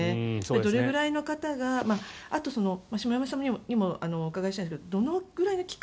どれぐらいの方があと下山さんにもお伺いしたいんですがどのぐらいの期間